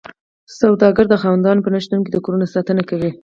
سوداګر د خاوندانو په نشتون کې د کورونو ساتنه کوي